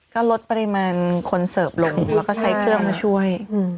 ก็ลดปริมาณคนเสิร์ฟลงแล้วก็ใช้เครื่องมาช่วย